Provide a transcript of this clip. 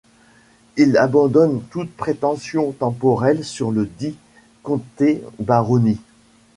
Il abandonne toute prétention temporelle sur ledit comté-baronnie.